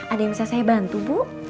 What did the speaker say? ada yang bisa saya bantu bu